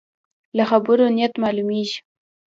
له خبرو نیت معلومېږي.